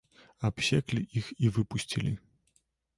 Абсеклі іх і выпусцілі.